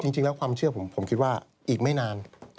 จริงแล้วความเชื่อผมผมคิดว่าอีกไม่นาน